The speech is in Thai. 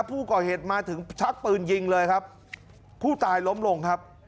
ผู้ก่อเหตุมาถึงชักปืนยิงเลยครับผู้ตายล้มลงครับ